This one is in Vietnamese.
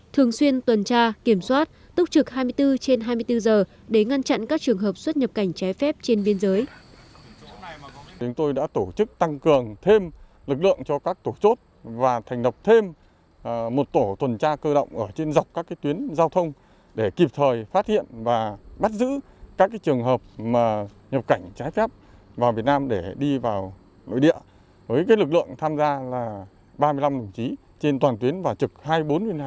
thường xuyên tuần tra kiểm soát tốc trực hai mươi bốn trên hai mươi bốn giờ để ngăn chặn các trường hợp xuất nhập cảnh trái phép trên biên giới